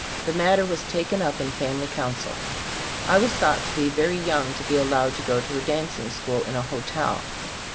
The matter was taken up in fam ily council. I was thought to be very young to be allowed to go to a dancing school in a hotel.